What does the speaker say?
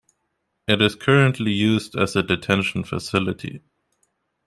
It is currently used as a detention facility.